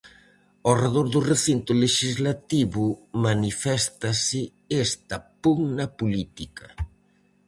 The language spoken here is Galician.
Ao redor do recinto lexislativo maniféstase esta pugna política.